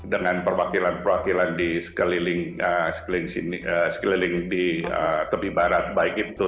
dengan perwakilan perwakilan di sekeliling di tepi barat baik itu